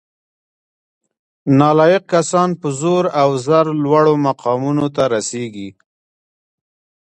نالایق کسان په زور او زر لوړو مقامونو ته رسیږي